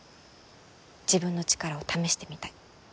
自分の力を試してみたい。